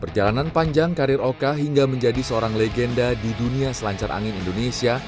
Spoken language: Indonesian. perjalanan panjang karir oka hingga menjadi seorang legenda di dunia selancar angin indonesia